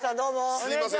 すいません。